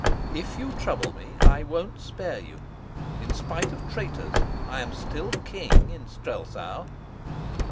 If you trouble me, I won't spare you. In spite of traitors I am still king in Strelsau."